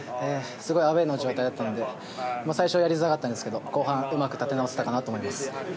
すごいアウェーの状態だったので最初はやりづらかったですけど後半うまく立て直せたと思います。